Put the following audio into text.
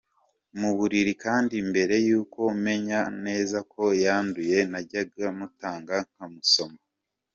mu buriri kandi mbere y’uko menya neza ko yanduye najyaga mutanga nkamusoma,.